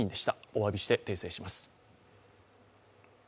おわびして訂正します。